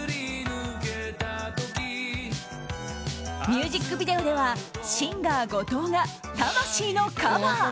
ミュージックビデオではシンガー後藤が魂のカバー。